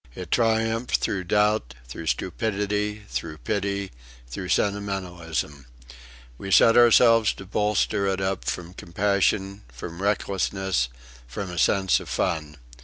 It triumphed through doubt, through stupidity, through pity, through sentimentalism. We set ourselves to bolster it up from compassion, from recklessness, from a sense of fun.